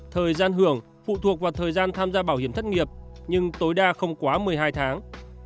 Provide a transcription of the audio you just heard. thời gian hưởng phụ thuộc vào thời gian tham gia bảo hiểm thất nghiệp nhưng tối đa không quá một mươi hai tháng